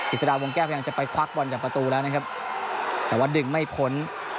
สดาวงแก้วพยายามจะไปควักบอลจากประตูแล้วนะครับแต่ว่าดึงไม่พ้น